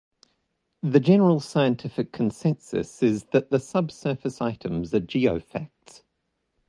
The general scientific consensus is that the subsurface items are geofacts.